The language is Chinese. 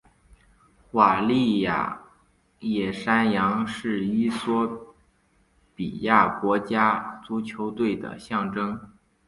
瓦利亚野山羊是衣索比亚国家足球队的象征。